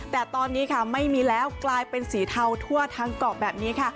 แต่ตอนนี้ค่ะไม่มีแล้วกลายเป็นสีเทาทั่วทั้งเกาะแบบนี้ค่ะ